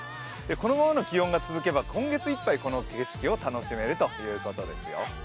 このままの気温が続けば今月いっぱい、この景色を楽しめるということですよ。